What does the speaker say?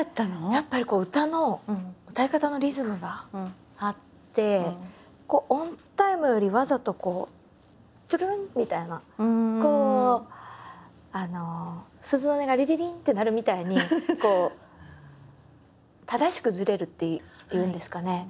やっぱり歌のオンタイムよりわざとトゥルンみたいなこう鈴の音がリリリンって鳴るみたいにこう正しくずれるっていうんですかね。